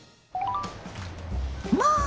まあ！